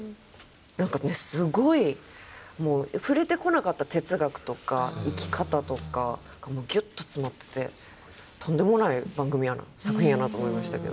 何かねすごいもう触れてこなかった哲学とか生き方とかが何かギュッと詰まっててとんでもない番組やな作品やなと思いましたけど。